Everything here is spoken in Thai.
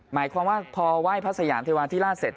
หมายความว่าพอไหว้พระสยามเทวาธิราชเสร็จ